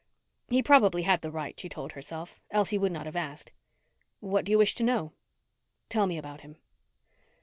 He probably had the right, she told herself, else he would not have asked. "What do you wish to know?" "Tell me about him."